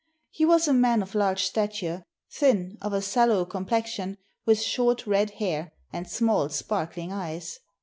He was a man of large stature, thin, of a sallow complexion, with short, red hair, and small, sparkling eyes.